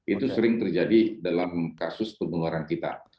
itu sering terjadi dalam kasus pengeluaran kita